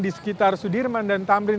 di sekitar sudirman dan tamrin